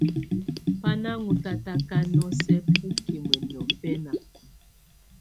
Bá na ɔ́n tatakà nɔ̀ósɛ̀ bukimǝ niɔ̀fɛna.